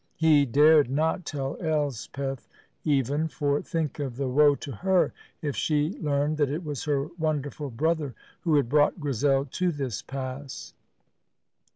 He dared not tell Elspeth, even; for think of the woe to her if she learned that it was her wonderful brother who had brought Grizel to this pass!